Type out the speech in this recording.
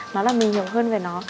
nó là mình hiểu hơn về nó